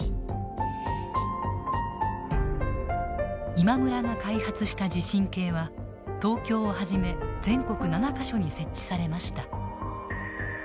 今村が開発した地震計は東京をはじめ全国７か所に設置されました。